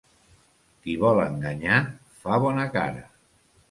Qui vol enganyar fa bona cara.